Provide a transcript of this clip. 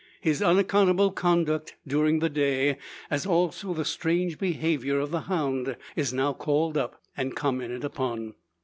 His unaccountable conduct during the day as also the strange behaviour of the hound is now called up, and commented upon.